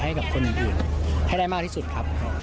ให้กับคนอื่นให้ได้มากที่สุดครับ